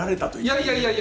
いやいやいやいや！